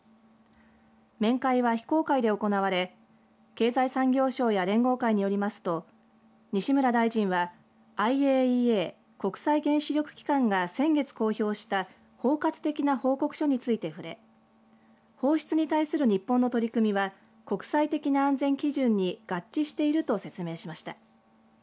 面会は非公開で行われ経済産業省や連合会によりますと西村大臣はＩＡＥＡ、国際原子力機関が先月公表した包括的な報告書について触れ放出に対する日本の取り組みは国際的な安全基準に合致していると説明しました。